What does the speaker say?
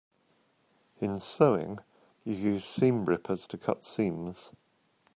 In sewing, you use seam rippers to cut seams.